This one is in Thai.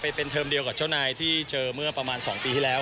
ไปเป็นเทอมเดียวกับเจ้านายที่เจอเมื่อประมาณ๒ปีที่แล้ว